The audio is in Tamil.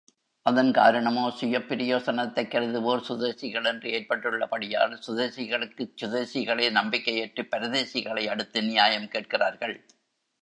அதன் காரணமோ சுயப்பிரயோசனத்தைக் கருதுவோர் சுதேசிகளென்று ஏற்பட்டுள்ளபடியால் சுதேசிகளுக்குச் சுதேசிகளே நம்பிக்கையற்றுப் பரதேசிகளை அடுத்து நியாயம் கேட்கிறார்கள்.